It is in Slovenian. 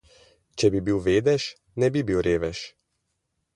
Če bi bil vedež, ne bi bil revež.